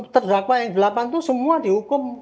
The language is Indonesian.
terdakwa yang delapan itu semua dihukum